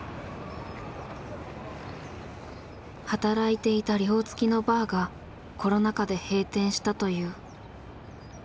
働いていた寮つきのバーがコロナ禍で閉店したという。